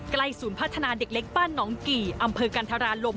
ศูนย์พัฒนาเด็กเล็กบ้านน้องกี่อำเภอกันธราลม